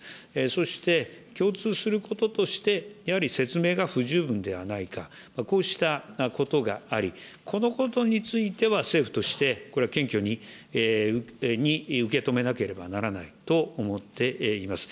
そして、共通することとして、やはり説明が不十分ではないか、こうしたことがあり、このことについては政府として、これは謙虚に受け止めなければならないと思っています。